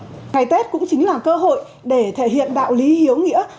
ngày tết cũng chính là cơ hội để thể hiện đạo lý hiếu nghĩa